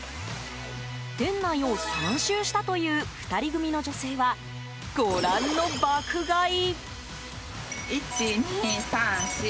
店内を３周したという２人組の女性はご覧の爆買い。